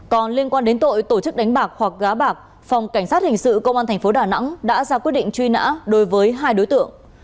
còn liên quan đến tội tổ chức đánh bạc hoặc gá bạc phòng cảnh sát hình sự công an tp đà nẵng đã ra quyết định truy nã đối với hai đối tượng